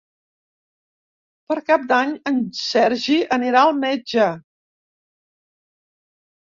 Per Cap d'Any en Sergi anirà al metge.